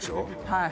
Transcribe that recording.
はい